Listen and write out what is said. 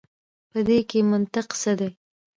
په دې کښي منطق څه دی.